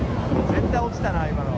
絶対落ちたな、今の。